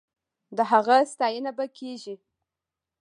د هغه ستاينه به کېږي.